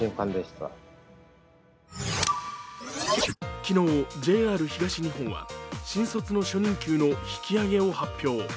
昨日、ＪＲ東日本は新卒の初任給の引き上げを発表。